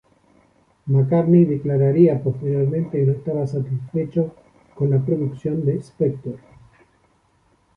McCartney declararía posteriormente que no estaba satisfecho con la producción de Spector.